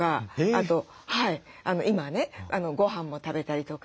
今はねごはんも食べたりとか。